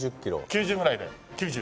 ９０ぐらいで９０。